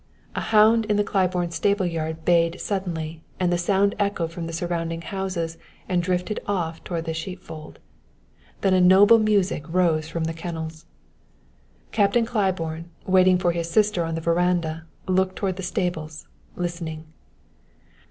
A hound in the Claiborne stable yard bayed suddenly and the sound echoed from the surrounding houses and drifted off toward the sheepfold. Then a noble music rose from the kennels. Captain Claiborne, waiting for his sister on the veranda, looked toward the stables, listening.